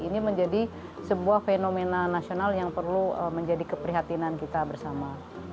ini menjadi sebuah fenomena nasional yang perlu menjadi keprihatinan kita bersama